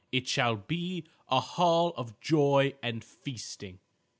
It shall be a hall of joy and feasting."